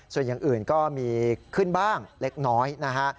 ส่วนอย่างอื่นก็มีขึ้นบ้างเล็กน้อยนะฮะ